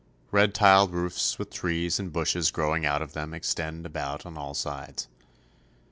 Red tiled roofs with trees and bushes growing out of them extend about on all sides.